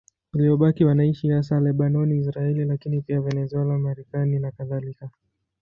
Waliobaki wanaishi hasa Lebanoni, Israeli, lakini pia Venezuela, Marekani nakadhalika.